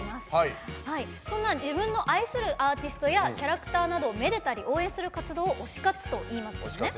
そんな自分の愛するアーティストやキャラクターなどをめでたり応援する活動を推し活と言いますよね。